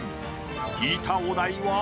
引いたお題は？